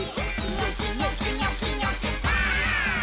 「ニョキニョキニョキニョキバーン！」